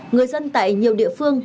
người dân tại nhiều địa phương